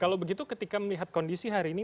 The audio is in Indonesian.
kalau begitu ketika melihat kondisi hari ini